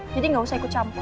jadi nggak usah ikut campur